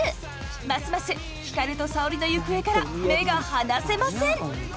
ますます光と沙織の行方から目が離せません！